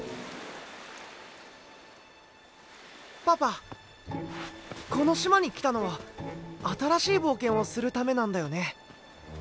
パパこの島に来たのは新しい冒険をするためなんだよね。